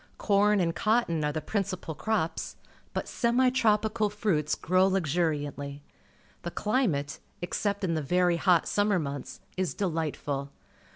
Corn_ajid_cotton are the principal crops, but semi tropical fruits grow luxuriantly. The climate, except in the very hot summer months, is delightful.